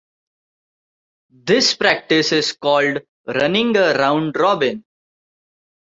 This practice is called "running a round-robin".